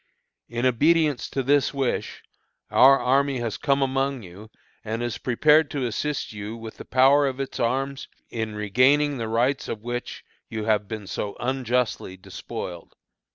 "In obedience to this wish, our army has come among you, and is prepared to assist you with the power of its arms in regaining the rights of which you have been so unjustly despoiled."